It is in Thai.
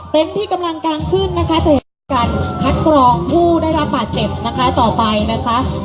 ที่กำลังการขึ้นนะคะจะเห็นว่ามีการคัดกรองผู้ได้รับบาดเจ็บนะคะต่อไปนะคะ